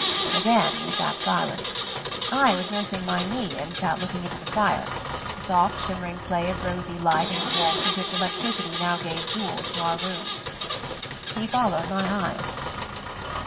Again we sat silent. I was nursing my knee and sat looking into the fire; the soft shimmering play of rosy light and warmth with which electricity now gave jewels to our rooms. He followed my eyes.